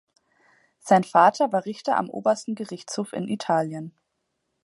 Sein Vater war Richter am Obersten Gerichtshof in Italien.